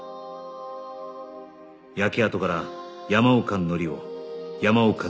焼け跡から山岡紀夫山岡